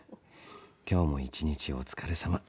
今日も一日お疲れさま。